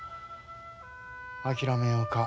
諦めようか。